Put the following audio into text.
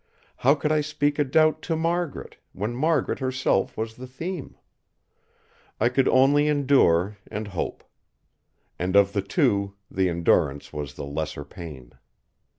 How could I speak a doubt to Margaret, when Margaret herself was the theme! I could only endure—and hope. And of the two the endurance was the lesser pain.